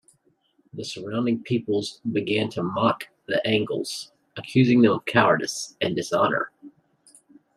The surrounding peoples began to mock the Angles, accusing them of cowardice and dishonour.